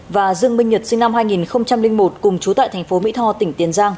và dương minh nhật sinh năm hai nghìn một cùng chú tại thành phố mỹ tho tỉnh tiền giang